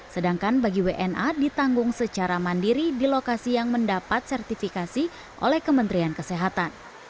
sedangkan bagi wna ditanggung secara mandiri di lokasi yang mendapat sertifikasi oleh kementerian kesehatan